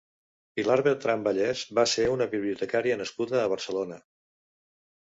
Pilar Bertran Vallès va ser una bibliotecària nascuda a Barcelona.